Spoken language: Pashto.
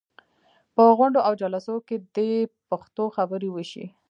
په غونډو او جلسو کې دې پښتو خبرې وشي.